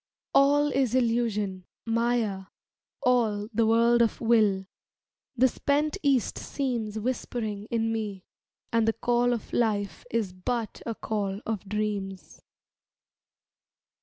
"All is illusion, Maya, all The world of will," the spent East seems Whispering in me; "and the call Of Life is but a call of dreams."